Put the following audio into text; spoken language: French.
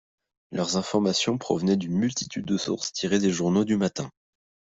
Leurs informations provenaient d'une multitude de sources tirées des journaux du matin.